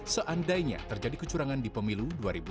seandainya terjadi kecurangan di pemilu dua ribu sembilan belas